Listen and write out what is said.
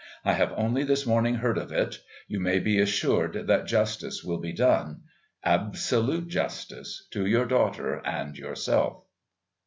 I have only this morning heard of it. You may be assured that justice will be done, absolute justice, to your daughter and yourself."